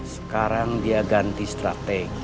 sekarang dia ganti strategi